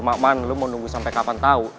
cuman man lu mau nunggu sampe kapan tau